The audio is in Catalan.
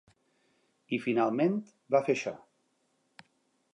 I finalment va fer això.